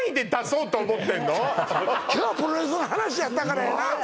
今日はプロレスの話やったからやな